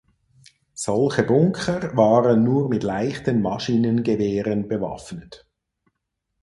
Solche Bunker waren nur mit leichten Maschinengewehren bewaffnet.